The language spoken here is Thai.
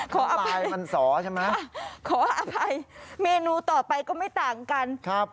ปลายมันสอใช่ไหมขออภัยเมนูต่อไปก็ไม่ต่างกันครับ